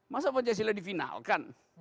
masa pancasila divinalkan